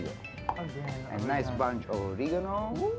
dan banyak banyak oregano